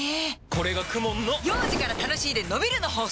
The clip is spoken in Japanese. これがＫＵＭＯＮの幼児から楽しいでのびるの法則！